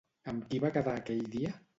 Amb qui va quedar aquell dia?